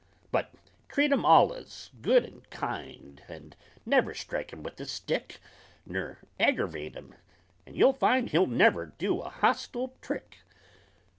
But, treat him allus good and kind, And never strike him with a stick, Ner aggervate him, and you'll find He'll never do a hostile trick.